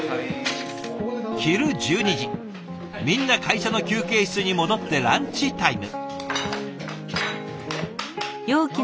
昼１２時みんな会社の休憩室に戻ってランチタイム。